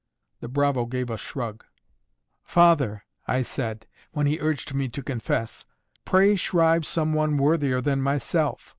The bravo gave a shrug. "'Father,' I said, when he urged me to confess, 'pray shrive some one worthier than myself.